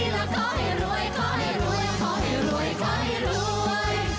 และขอให้รวยขอให้รวยขอให้รวยขอให้รวย